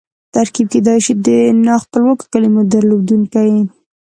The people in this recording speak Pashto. ترکیب کېدای سي د نا خپلواکو کیمو درلودونکی يي.